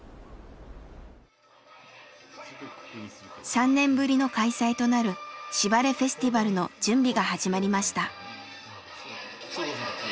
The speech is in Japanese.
３年ぶりの開催となる「しばれフェスティバル」の準備が始まりました。